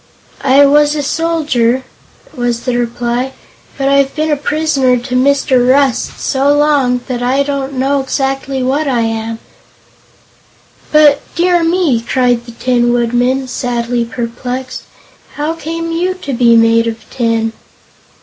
"I was a soldier," was the reply, "but I've been a prisoner to Mr. Rust so long that I don't know exactly what I am." "But dear me!" cried the Tin Woodman, sadly perplexed; "how came you to be made of tin?"